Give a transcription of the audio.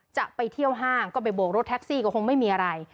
จะไปเที่ยวห้างก็ไปโบกรถแท็กซี่ก็คงไม่มีอะไร